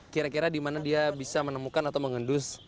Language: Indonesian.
kira kira di mana dia bisa menemukan atau mengendus